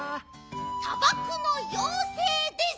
さばくのようせいです。